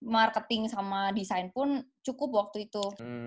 marketing sama desain pun cukup waktu itu